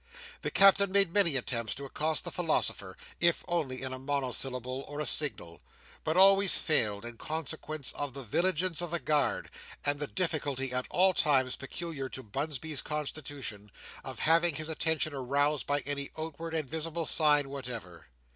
The Captain made many attempts to accost the philosopher, if only in a monosyllable or a signal; but always failed, in consequence of the vigilance of the guard, and the difficulty, at all times peculiar to Bunsby's constitution, of having his attention aroused by any outward and visible sign whatever.